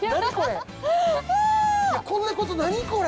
こんなこと何これ！